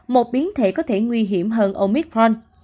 một biến thể có thể nguy hiểm hơn omicron